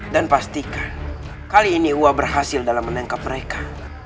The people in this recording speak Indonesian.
dan pastikan kali ini aku berhasil dalam menangkap mereka